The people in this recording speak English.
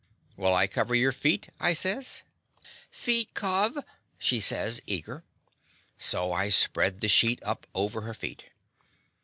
"Will I cover your feet?'' I says. "Feet cov," she sa^s, eager. So I spread the sheet up over her feet.